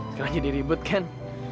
sekarang jadi ribut kan